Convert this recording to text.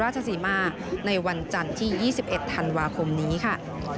สีมาในวันจันทร์ที่๒๑ธันวาคมนี้ค่ะ